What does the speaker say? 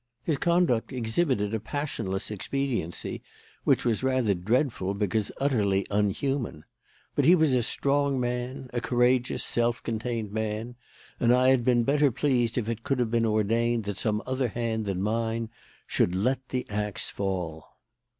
His conduct exhibited a passionless expediency which was rather dreadful because utterly unhuman. But he was a strong man a courageous, self contained man, and I had been better pleased if it could have been ordained that some other hand than mine should let the axe fall."